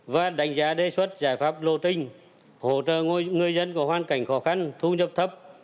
và đánh giá đề xuất giải pháp lộ trình hỗ trợ người dân có hoàn cảnh khó khăn thu nhập thấp